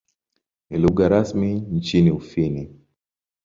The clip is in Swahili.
Ni lugha rasmi nchini Ufini.